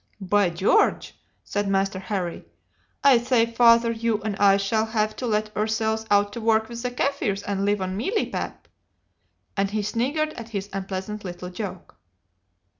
"'By George!' said Master Harry; 'I say, father, you and I shall have to let ourselves out to work with the Kaffirs and live on mealie pap,' and he sniggered at his unpleasant little joke.